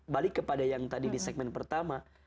balik kepada yang tadi di segmen pertama